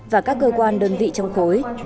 và các cơ quan đơn vị trong khối